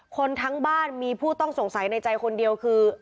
คนทั้งบ้านมีผู้ต้องสงสัยในใจคนเดียวคือ